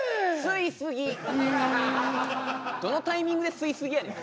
「ｙｏｕ」どのタイミングで吸い過ぎやねん